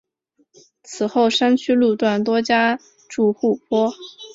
此后山区路段多加筑护坡。